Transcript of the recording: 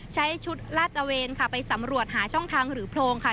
ใช้ชุดลาดตระเวนค่ะไปสำรวจหาช่องทางหรือโพรงค่ะ